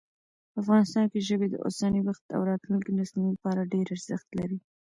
افغانستان کې ژبې د اوسني وخت او راتلونکي نسلونو لپاره ډېر ارزښت لري.